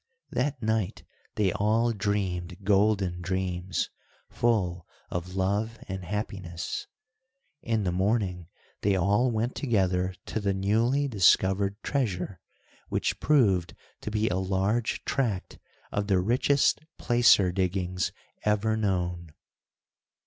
That night they all dreamed golden dreams, full of love and happiness. In the morning they all went together to the newly discovered treasure, which proved to be a large tract of the richest placer diggings ever known.